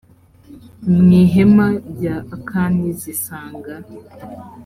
mu ihema rya akani zisanga